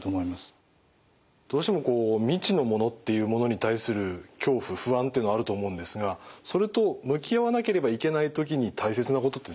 どうしてもこう未知のものっていうものに対する恐怖不安っていうのはあると思うんですがそれと向き合わなければいけない時に大切なことって何になりますか？